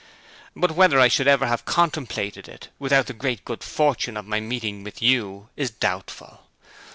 But whether I should ever have contemplated it without the great good fortune of my meeting with you is doubtful.